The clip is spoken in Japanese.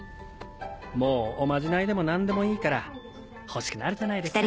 もうおまじないでもなんでもいいから欲しくなるじゃないですか。